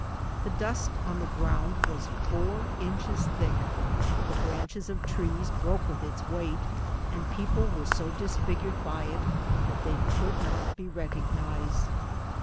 The dust on the ground was four inches thick ; the branches of trees broke with its weight, and people were so disfigured by it that they could not be recognised.